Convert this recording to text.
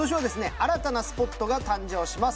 新たなスポットが誕生します